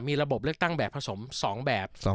มีระบบเลือกตั้งแบบผสม๒แบบ